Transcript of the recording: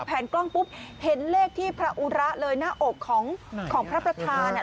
กล้องปุ๊บเห็นเลขที่พระอุระเลยหน้าอกของของพระประธาน